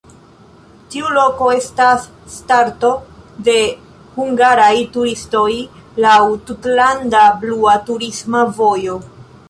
Tiu loko estas starto de hungaraj turistoj laŭ "tutlanda blua turisma vojo".